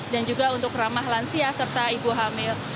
dan juga untuk ramah lansia serta ibu hamil